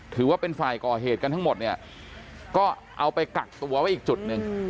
ถือว่าเป็นฝ่ายก่อเหตุกันทั้งหมดเนี่ยก็เอาไปกักตัวไว้อีกจุดหนึ่ง